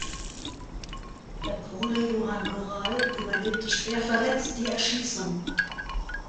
Der Pole Johann Goral überlebte schwerverletzt die Erschießung.